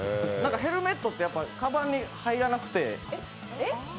ヘルメットってカバンに入らなくて。